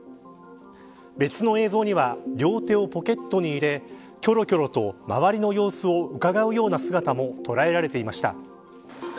別の映像には両手をポケットに入れきょろきょろと周りの様子をうかがうような姿も捉えられていました。